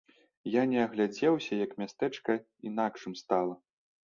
І не агледзеўся як мястэчка інакшым стала.